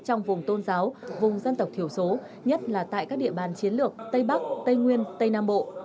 trong vùng tôn giáo vùng dân tộc thiểu số nhất là tại các địa bàn chiến lược tây bắc tây nguyên tây nam bộ